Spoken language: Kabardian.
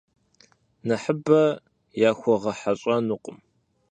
Нэхъыбэ яхуэгъэхьэщӏэнукъым.